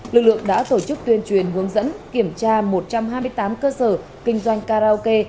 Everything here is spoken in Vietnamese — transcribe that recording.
lực lượng đã tổ chức tuyên truyền hướng dẫn kiểm tra một trăm hai mươi tám cơ sở kinh doanh karaoke